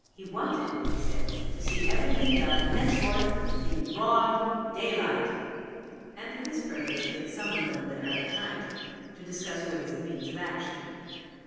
He wanted, he said, to see everything done henceforth in broad daylight: and for this purpose he had summoned them there at night to discuss ways and means of action.